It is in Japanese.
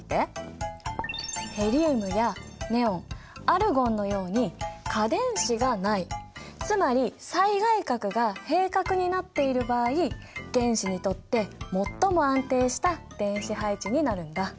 ヘリウムやネオンアルゴンのように価電子がないつまり最外殻が閉殻になっている場合原子にとってもっとも安定した電子配置になるんだ。